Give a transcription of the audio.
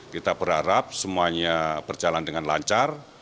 kita berharap semuanya berjalan dengan lancar